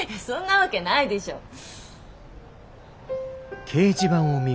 そんなわけないでしょ。